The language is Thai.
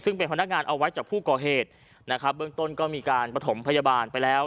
ซึ่งเป็นพนักงานเอาไว้จากผู้ก่อเหตุนะครับเบื้องต้นก็มีการประถมพยาบาลไปแล้ว